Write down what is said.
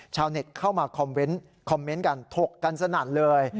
ชาวเน็ตเข้ามาคอมเมนต์คอมเมนต์กันถกกันสนั่นเลย